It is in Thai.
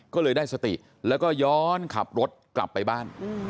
ก็เลยได้สติแล้วก็ย้อนขับรถกลับไปบ้าน